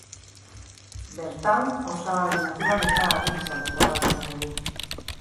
Bertan osagai natural eta artifizialak topa ditzakegu.